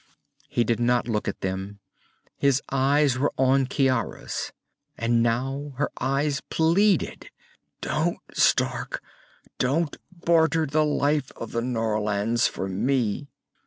He did not look at them. His eyes were on Ciara's. And now, her eyes pleaded. "Don't, Stark! Don't barter the life of the Norlands for me!"